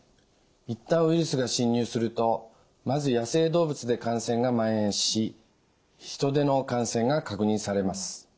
一旦ウイルスが侵入するとまず野生動物で感染がまん延し人での感染が確認されます。